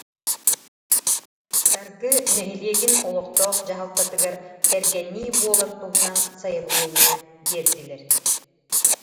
Саргы нэһилиэгин олохтоох дьаһалтатыгар кэргэннии буолар туһунан сайабылыанньа биэрдилэр